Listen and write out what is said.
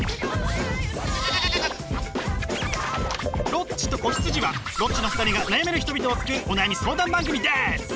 「ロッチと子羊」はロッチの２人が悩める人々を救うお悩み相談番組です！